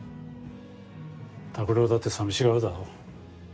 拓郎だって寂しがるだろ。